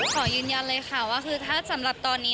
ขอยืนยันเลยค่ะว่าคือถ้าสำหรับตอนนี้